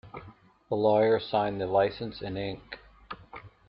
The lawyer signed the licence in ink.